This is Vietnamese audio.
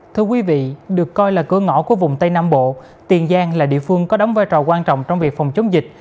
thưa quý vị được coi là cửa ngõ của vùng tây nam bộ tiền giang là địa phương có đóng vai trò quan trọng trong việc phòng chống dịch